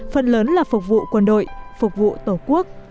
phần lớn là phục vụ quân đội phục vụ tổ quốc